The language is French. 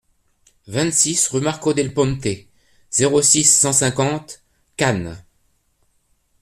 vingt-six rue Marco del Ponte, zéro six, cent cinquante Cannes